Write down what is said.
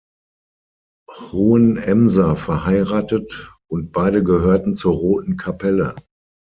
Hohenemser verheiratet und beide gehörten zur Roten Kapelle.